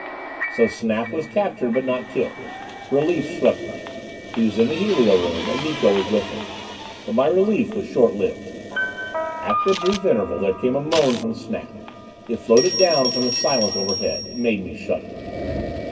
So Snap was captured, but not killed. Relief swept me. He was in the helio room, and Miko was with him. But my relief was short lived. After a brief interval there came a moan from Snap. It floated down from the silence overhead. It made me shudder.